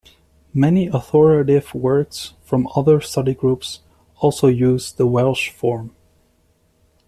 Many authoritative works, from other study groups, also use the Welsh form.